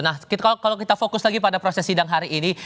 nah kalau kita fokus lagi pada proses sidang hari ini